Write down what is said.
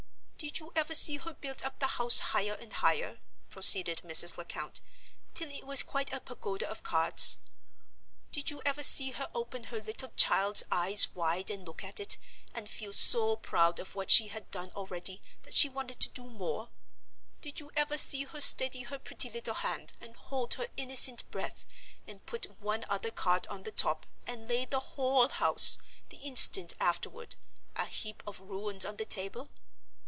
"Did you ever see her build up the house higher and higher," proceeded Mrs. Lecount, "till it was quite a pagoda of cards? Did you ever see her open her little child's eyes wide and look at it, and feel so proud of what she had done already that she wanted to do more? Did you ever see her steady her pretty little hand, and hold her innocent breath, and put one other card on the top, and lay the whole house, the instant afterward, a heap of ruins on the table?